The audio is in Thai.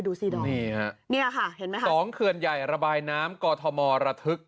ดูสิดอมนี่ฮะเนี่ยค่ะเห็นไหมคะสองเขื่อนใหญ่ระบายน้ำกอทมระทึก